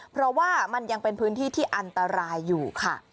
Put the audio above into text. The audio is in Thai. เพราะว่ามันยังเป็นพื้นที่ที่อันตรายอยู่ค่ะ